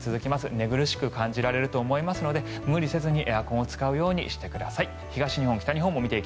寝苦しく感じられると思いますので無理せずにエアコンを使うようにしてください。